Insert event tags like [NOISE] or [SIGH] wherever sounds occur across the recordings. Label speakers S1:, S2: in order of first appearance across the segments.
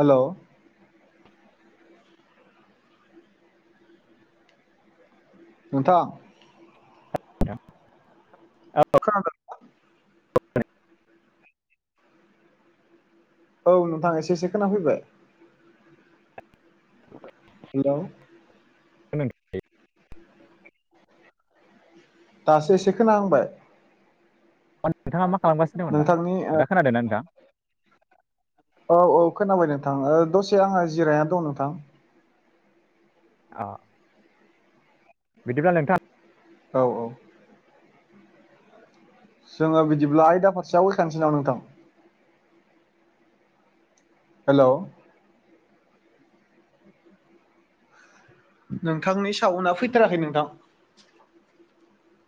S1: Hello. नोंथां।
S2: नोंथां औ
S1: खोनादों? औ नोंथां एसे एसे खोनाफैबाय हेल'
S2: [UNINTELLIGIBLE]
S1: दासो एसे खोनाहांबाय।
S2: अ नोंथाङा मा खालामगासिनो दंमोन दा?
S1: नोंथांनि
S2: आदा
S1: ओ
S2: खोनादोंना नोंथां?
S1: औ औ खोनाबाय नोंथां ओ दसे आंहा जिरायना दं नोंथां।
S2: अ बिदिब्ला नोंथां
S1: औ औ। जोङो बिदिब्ला आयदा फारसे आवगायखानिसै नामा नोंथां? हेल' नोंथांनि साउना फैथाराखै नोंथां।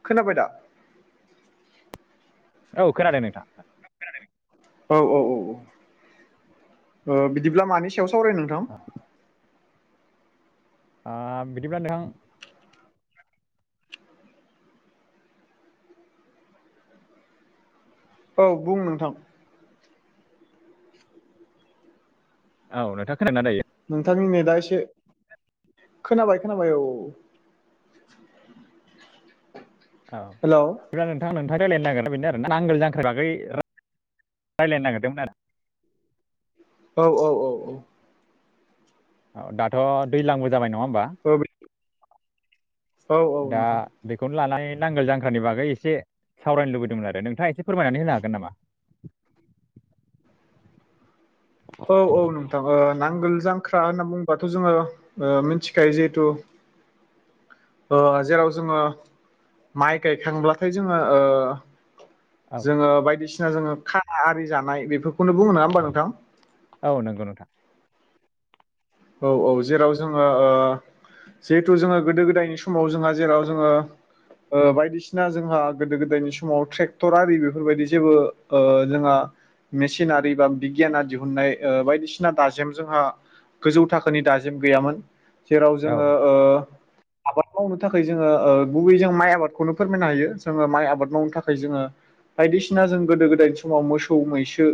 S1: खोनाबाय दा?
S2: औ खोनादों नोंथां।
S1: औ औ औ औ ओ बिदिब्ला मानि सायाव सावरायनो नोंथां?
S2: ओ बिदिब्ला नोंथां
S1: औ बुं नोंथां।
S2: औ नोंथाङा खोदोंना दायो?
S1: नोंथांनि नेदा एसे खोनाबाय -खोनाबाय औ औ। [UNINTELLIGIBLE]
S2: औ
S1: हेलौ
S2: बिदिब्ला नोंथां, नोंथां रायज्लायनो नागिरनाया बेनो आरोना नांगोल जांख्रानि बागै रायज्लायनो नागिरदोंमोन आरो।
S1: औ औ औ
S2: औ दाथ' दैलांबो जाबाय नङा होमबा?
S1: औ औ
S2: दा
S1: नोंथां
S2: बेखौ लानानै नांगोल जांख्रानि बागै एसे सावरायनो लुबैदोंमोन आरो। नोंथाङा एसे फोरमायनानै होनो हागोन नामा?
S1: [UNINTELLIGIBLE] औ औ नोंथां ओ नांगोल जांख्रा होनना बुङोबाथ' जोङो मिथिखायो जिहेथु ओ जेराव जोङो माइ गायखांब्लाथाय जोङो ओ
S2: औ
S1: जोङो बायदिसिना जोङो खा आरि जानाय बेफोरखौनो बुङो नङा होमबा नोंथां?
S2: औ नंगौ नोंथां।
S1: औ औ जेराव जोङो ओ जिहेथु जोङो गोदो- गोदायनि समाव जोंहा जेराव जोङो ओ बायदिसिना जोंहा गोदो -गोदायनि समाव ट्रेक्टर आरि बेफोरबायदि जेबो ओ जोंहा मेसिनारि बा बिगियाना दिहुननाय ओ बायदिसिना दाजेम जोंहा गोजौ थाखोनि दाजेम गैयामोन। जेराव
S2: औ
S1: जोङो ओ आबाद मावनो थाखाय ओ जोङो गुबै जों माइ आबादखौनो फोरमायनो हायो। जोङो माइ आबाद मावनो थाखाय जोङो बायदिसिना जों गोदो -गोदायनि समाव मोसौ -मैसो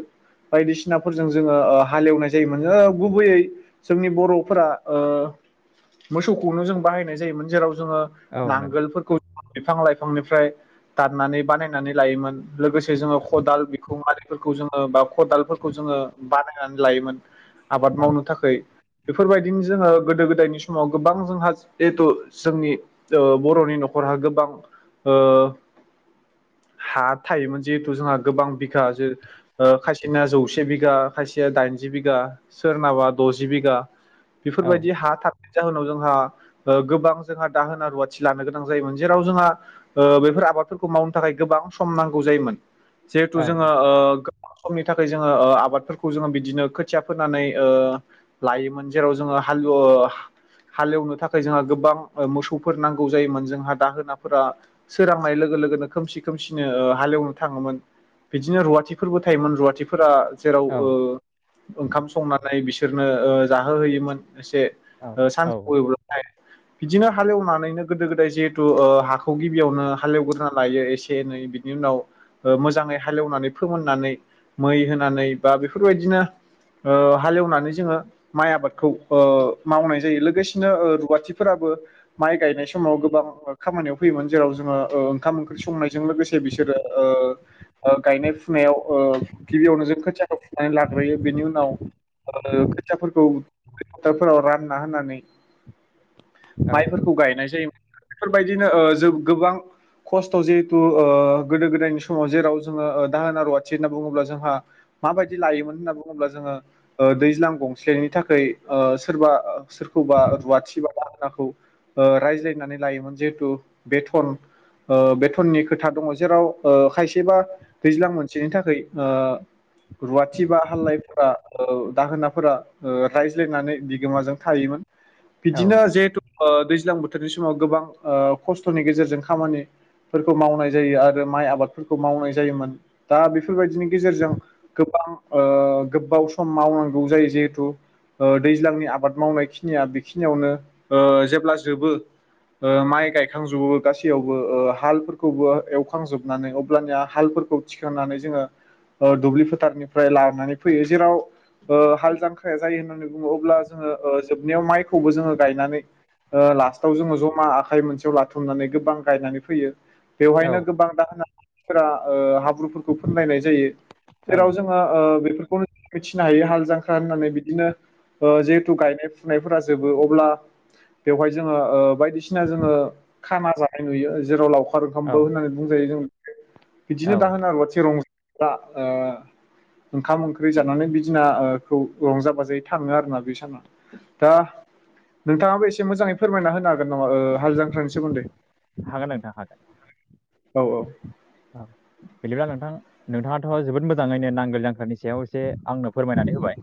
S1: बायदिसिनाफोरजों जोङो ओ हालेवनाय जायोमोन- जायोमोन। ओ गुबैयै जोंनि बर'फोरा ओ मोसौखौनो जों बाहायनाय जायोमोन। जेराव जोङो
S2: औ नंगौ
S1: नांगोलफोरखौ बिफां -लाइफांनिफ्राय दाननानै बानायनानै लायोमोन। लोगोसे जोङो खदाल बेखौ मारै [UNINTELLIGIBLE] जोङो बा खदालफोरखौ जोङो बानायनानै लायोमोन। आबाद
S2: औ
S1: मावनो थाखै। बेफोरबायदिनो जोङो गोदो -गोदायनि समाव गोबां जोंहा जिहेथु जोंनि ओ बर'नि नखरहा गोबां ओ हा थायोमोन जिहेथु जोंहा गोबां बिघा सो खायसेना जौसे बिघा खायसेया दाइन जि बिघा सोरनाबा द'जि बिघा
S2: औ
S1: बेफोरबायदि हा [UNINTELLIGIBLE] जाहोनाव जोंहा गोबां जोंहा दाहोना- रुवाथि लानो गोनां जायोमोन जेराव जोंहा ओ बेफोर आबादफोरखौ मावनो थाखाय गोबां सम नांगौ जायोमोन जिहेथु
S2: औ
S1: जोङो ओ समनि थाखाय जोङो ओ आबादफोरखौ जोङो बिदिनो खोथिया फोनानै ओ लायोमोन जेराव जोङो हालोवो हालेवनो थाखाय जोंहा गोबां मोसौफोर नांगौ जायोमोन जोंहा दाहोनाफोरा सोरांनाय लोगो - लोगोनो खोमसि खोमसिनो ओ हाल एवनो थाङोमोन बिदिनो रुवाथिफोरबो थायोमोन रुवाथिफोरा जेराव
S2: औ
S1: ओ ओंखाम संनानै बिसोरनो ओ जाहोहैयोमोन। एसे
S2: औ
S1: ओ सानस [UNINTELLIGIBLE] 'थाय बिदिनो हालेवनानैनो गोदो गोदाय जिहेथु ओ हाखौ गिबियावनो हालेवग्रोना लायो एसे एनै बिनि उनाव ओ मोजाङै हालेवनानै फोमोननानै मै होनानै बा बेफोरबायदिनो ओ हालेवनानै जोङो माइ आबादखौ ओ मावनाय जायो। लोगोसेनो ओ रुवाथिफोराबो माइ गायनाय स माव गोबां खामानियाव फैयोमोन जेराव जोङो ओ ओंखाम ओंख्रि संनायजों लोगोसे बिसोरो ओ ओ गायनाय फुनायाव ओ गिबियावनो जों खोथियाखौ फुनानै लाग्रोयो बेनि उनाव ओ खोथियाफोरखौ फोथारफोराव रानना होनानै माइफोरखौ गायनाय जायोमोन। बेफोरबायदिनो ओ जों गोबां खस्थ' जिहेथु ओ गोदो गोदायनि समाव जेराव जोङो ओ दाहोना रुवाथि होनना बुङोब्ला जोंहा माबायदि लायोमोन होनना बुङोब्ला जोङो ओ दैज्लां गंसेनि थाखाय ओ सोरबा सोरखौबा रुवाथि बा दाहोनाखौ ओ रायज्लायनानै लायोमोन। जिहेथु बेथन ओ बेथननि खोथा दङ जेराव ओ खायसे बा दैज्लां मोनसेनि थाखाय ओ रुवाथि बा हालायफोरा दाहोना फोरा ओ रायज्लायनानै बिगोमाजों थायोमोन। बिदिनो जिहेथु ओ दैज्लां बोथोर रनि समाव गोबां ओ खस्थ'नि गेजेरजों खामानि फोरखौ मावनाय जायो आरो माइ आबादफोरखौ मावनाय जायोमोन। दा बेफोरबायदिनि गेजेरजों गोबां ओ गोबाव सम मावनांगौ जायो जिहेथु ओ दैज्लांनि आबाद मावनाय खिनिया बेखिनियावनो ओ जेब्ला जोबो ओ माइ गायखांजोबो गासैयावबो ओ हालफोरखौबो एवखांजोबनानै अब्लानिया हाल फोरखौ थिखांनानै जोङो ओ दुब्लि फोथारनिफ्राय लानानै फैयो जेराव ओ हाल जांख्राया जायो होननानै बुङो अब्ला जोङो ओ जोबनायाव माइखौबो जोङो गायनानै ओ लास्टाव जोङो जमा आखाइ मोनसेयाव लाथुमनानै गोबां गायनानै फैयो। बेवहायनो
S2: औ
S1: गोबां दाहोना [UNINTELLIGIBLE] थिफोरा ओ हाब्रुफोरखौ फुनलायनाय जायो। जेराव
S2: औ
S1: जोङो ओ बेफोरखौनो मिथिनो हायो हाल जांख्रा होननानै बिदिनो ओ जिहेथु गायनाय फुनायफोरा जोबो अब्ला बेवहाय जोङो ओ बायदिसिना जोङो खाना जानाय नुयो जेराव लावखार ओंखामबो होननानै बुंजायो जों बिदिनो
S2: औ औ
S1: दाहोना रुवाथि रंजाना ओ ओंखाम ओंख्रि जानानै बे दिना ओ खौ रंजा बाजायै थाङो आरोना बे साना। दा नोंथाङाबो एसे मोजाङै फोरमायना होनो हागोन नामा ओ हाल जांख्रानि सोमोन्दै?
S2: हागोन नोंथां हागोन
S1: औ
S2: औ बिदिब्ला नोंथां नोंथाङाथ' जोबोद मोजाङैनो नांगोल जांख्रानि सायाव एसे आंनो फोरमायनानै होबाय।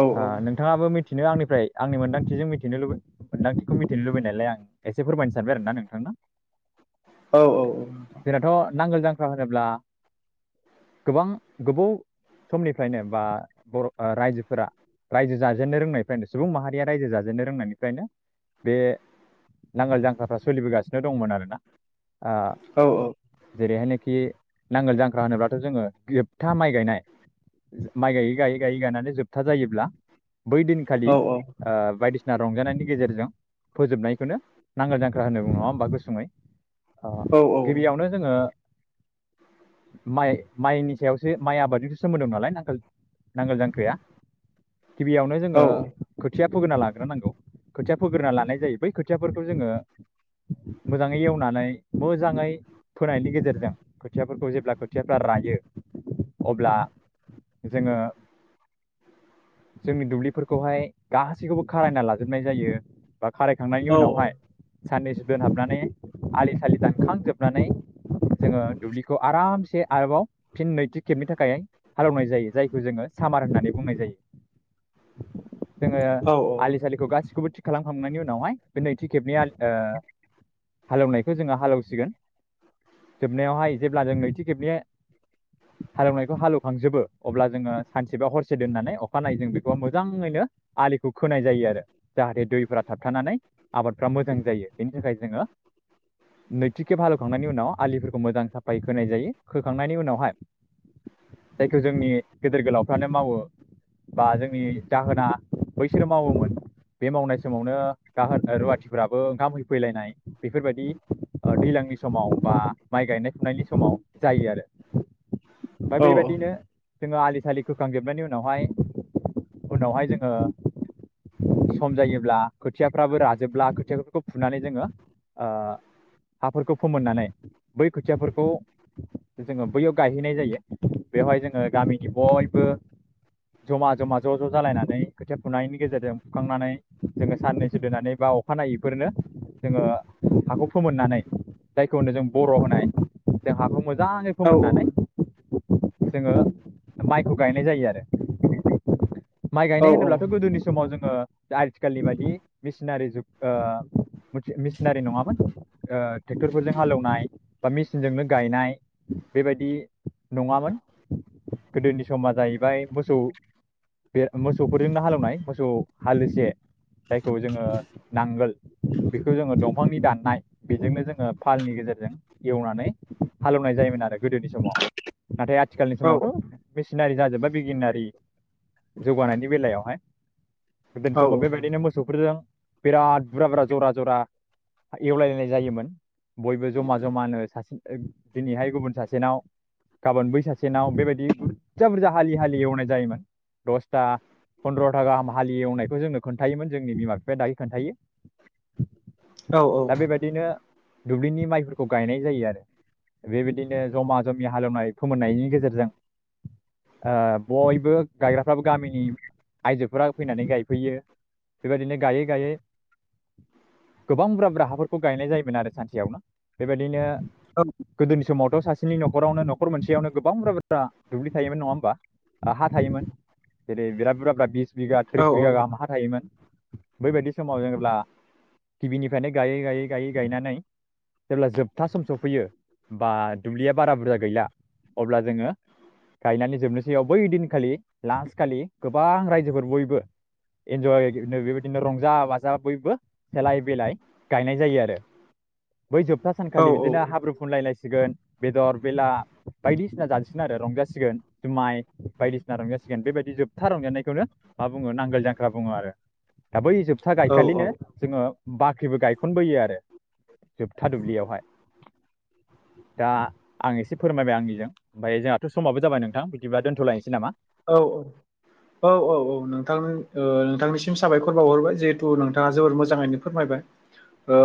S1: औ
S2: आ नोंथाङाबो मि थिनो आंनिफ्राय आंनि मोनदांथिजों मिथिनो लुबै मोनदांथिखौ मिथिनो लुबैनायालाय आं एसे फोरमायनो सानबाय आरोना नोंथांना।
S1: औ औ औ।
S2: नांगोल जांख्रा होनोब्ला गोबां गोबाव समनिफ्रायनो बा बर' राइजोफोरा रायजो जाजेननो रोंनायनिफ्रायनो सुबुं माहारिया रायजो जाजेननो रोंनायनिफ्रायनो बे नांगोल जांख्राफ्रा सोलिबोगासिनो दंमोन आरोना। ओ
S1: औ
S2: जेरैहाय नै खि नांगोल जांख्रा होनोब्लाथ' जोङो जोबथा माइ गायनाय माइ गायै गायै गायै गायनानै जोबथा जायोब्ला बै दिनखालि
S1: औ
S2: ओ बायदिसिना रंजानायनि गेजेरजों फोजोबनायखौनो नांगोल जां ख्रां होनना बुङो नङा होमबा गुसुङै‌। ओ
S1: औ औ
S2: गिबियावनो जोङो
S1: [INAUDIBLE]
S2: माइ माइनि सायावसो माइ आबादजोंसो सोमोन्दो दं नालाय नांगोल नांगोल जांख्राया गिबियावनो जोङो खोथिया फोग्रोना लाग्रोनांगौ खोथिया फोग्रोना लानाय जायो बै खोथियाफोरखौ जोङो
S1: [INAUDIBLE]
S2: मोजाङै एवनानै मोजाङै फोनायनि गेजेरजों खोथियाफोरखौ जेब्ला खोथियाफ्रा रायो अब्ला जोङो जोंनि दुब्लिफोरखौहाय गासैखौबो खारायना लाजोबनाय जायो बा खारायखांनायनि उनावहाय साननैसो दोनहाबनानै आलि सालि दानखांजोबनानै जोङो दुब्लिखौ आरामसे आरोबाव फिन नैथि खेबनि थाखाय हालेवनाय जायो जायखौ जोङो सामार होननानै बुंनाय जायो जोङो आलि सालिखौ गासिखौबो थिग खालामखांनायनि उनावहाय बे नैथि खेबनि आलि ओ हालेवनायखौ जोङो हालेवसिगोन जोबनायावहाय जेब्ला जों नैथि खेबनि हालेवनायखौ हालेवखांजोबो अब्ला जोङो सानसेबा हरसे दोननानै अखानायै जों बेखौ मोजाङै नो आलिखौ खोनाय जायो आरो जाहाथे दैफोरा थाबथानानै आबादफ्रा मोजां जायो बेनि थाखाय जोङो नैथि खेब हालेवखांनायनि उनाव आलिफोरखौ मोजां साफायै होनाय जायो खोखांनायनि उनावहाय जायखौ जोंनि गेदेर गोलावफ्रानो मावो बा जोंनि दाहोना बैसोर मावोमोन बे मावनाय समावनो दाहोना रुवाथिफोरा बो ओंखाम होफैलायनाय बेफोरबायदि दैज्लांनि समाव बा माइ गायनाय फुनायनि समाव जायो आरो‌
S1: [INAUDIBLE]
S2: दा बेबायदिनो जोङो आलि सालि खोखांजोबनायनि उनावहाय उनावहाय जोङो सम जायोब्ला खोथियाफ्राबो राजोबब्ला खोथियाफोरखौ फुनानै जोङो ओ हाफोरखौ फोमोननानै बै खोथियाफोरखौ जोङो बैयाव गायहैनाय जायो बेवहाय जोङो गामिनि बयबो जमा जमा ज' ज' जालायनानै खोथिया फुनायनि गेजेरजों फुखांनानै जोङो साननैसो दोननानै बा अखानायैफोरनो जोङो हाखौ फोमोननानै जायखौ होनो जों बर'आव होनाय बे हाखौ मोजाङै फोमोननानै जोङो माइखौ गायनाय जायो आरो माइ गायनाय होनोब्लाथ'
S1: औ
S2: गोदोनि समाव जोङो आथिखालनि बायदि मेसिनारि जुग ओ मेसि-मेसिनारि नङामोन ओ ट्रेक्टरफोरजों हालेवनाय बा मेसिनजोंनो गायनाय बेबायदि नङामोन गोदोनि समा जाहैबाय मोसौ बे मोसौफोरजोंनो हालेवनाय मोसौ हालिसे जायखौ जोङो नांगोल बेखौ जोङो दंफांनि दाननाय बेजोंनो जोङो फालनि गेजेरजों एवनानै हालेवनाय जायोमोन आरो गोदोनि समाव नाथाय आ थिखालनि समावथ' मेसिनारि जाजोब्बाय बिगियानारि जौगानायनि बेलायावहाय गोदोनि समावथ' बिदिनो मोसौफोरजों बिराद बुरा बुरा जरा जरा एवलायनाय जायोमोन बयबो जमा जमानो सासे ओ दिनैहाय गुबुन सासेनाव गाबोन बै सासेनाव बेबायदि बुरजा बुरजा हालि हालि एवनाय जायोमोन दसथा फन्द्र'था गाहाम हाल एवनायखौ जोंनो खोन्थायोमोन जोंनि बिमा दायो खोन्थायो दा बेबायदिनो दुब्लिनि माइफोरखौ गायनाय जायो आरो बेबायदिनो जमा जमि हालेवनाय फोमोननायनि गेजेरजों ओ बयबो गायग्राफ्राबो गामिनि आइजोफोरा फैनानै गायफैयो बेबायदिनो गायै गायै गोबां बुरजा बुरजा हाफोरखौ गायनाय जायोमोन आरो सानसेयावनो बेबायदिनो गोदोनि समावथ' सासेनि न'खरावनो न'खर मोनसेयावनो गोबां बुरजा बुरजा दुब्लि थायोमोन नङा होमबा आ हा थायोमोन जेरै बिराद बुरजा बुरजा बिस बिघा थ्रिस बिगा गाहाम हा थायोमोन बैबायदि समाव जेनोब्ला गिबिनिफ्रायनो गायै गायै गायै गायनानै जेब्ला जोबथा सम सफैयो बा दुब्लिया बारा बुरजा गैला अब्ला जोङो गायनानै जोबनोसैयाव बै दिनखालि लास्ट खालि गोबां रायजोफोर बयबो एनज'य नो बेबायदि नो रंजा बाजा बयबो सेलाय बिलाय गायनाय जायो आरो बै जोबथा सानखालि बिदिनो हाब्रु फुनलायलायसिगोन बेदर बेला बायदिसिना जानोसिगोन आरो रंजासिगोन जुमाय बायदिसिना रंजासिगोन बेबायदि जोबथा रंजानायखौनो मा बुङो नांगोल जांखा् बुङो आरो दा बै जोबथा गायखालिनो जोङो बाख्रिबो गायखनबोयो आरो जोबथा दुब्लियावहाय
S1: [INAUDIBLE] [UNINTELLIGIBLE]
S2: दा आं एसे फोरमायबाय आंनिजों ओमफाय जोंहाथ' समाबो जाबाय नोंथां बिदिबा दोनथ'लायनोसै नामा
S1: औ औ औ औ औ नोंथां नोंथांनिसिम साबायखर बावहरबाय जिहेथु नोंथाङा जोबोर मोजाङैनो फोरमायबाय ओ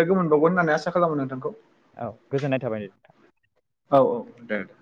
S1: लोगो मोनबावगोन होननानै आसा खालामो नोंथांखौ
S2: औ गोजोननाय थाबाय
S1: औ औ दे दे